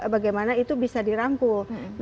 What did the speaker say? bagaimana itu bisa dirangkul